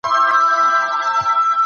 د سته امکاناتو څخه سمه ګټه اخيستل هنر دی.